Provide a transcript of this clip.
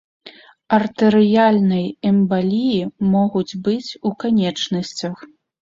Артэрыяльнай эмбаліі могуць быць у канечнасцях.